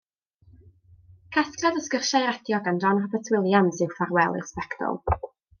Casgliad o sgyrsiau radio gan John Roberts Williams yw Ffarwel i'r Sbectol.